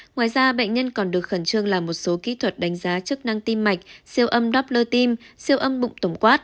ngoài ra bệnh nhân còn được khẩn trương làm một số kỹ thuật đánh giá chức năng tim mạch siêu âm đop lơ tim siêu âm bụng tổng quát